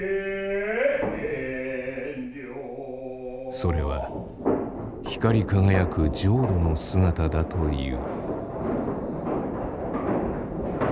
それは光り輝く浄土の姿だという。